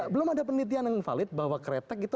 belum ada penelitian yang valid bahwa kretek itu